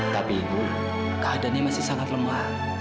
tapi ibu keadaannya masih sangat lemah